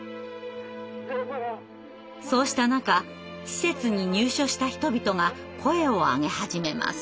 そうした中施設に入所した人々が声を上げ始めます。